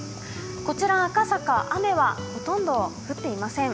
こちら、赤坂、雨はほとんど降っていません。